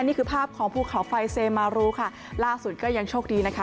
นี่คือภาพของภูเขาไฟเซมารูค่ะล่าสุดก็ยังโชคดีนะคะ